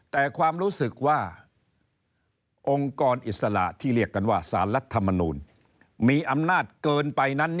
แต่ความรู้สึกว่าองค์กรอิสระที่เรียกกันว่าสารรัฐมนูลมีอำนาจเกินไปนั้น